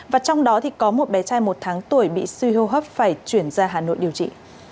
và trong đó có một bé trai một tháng tuổi bị suy hô hấp phải chuyển ra hà nội điều trị